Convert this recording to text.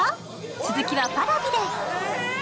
続きはＰａｒａｖｉで。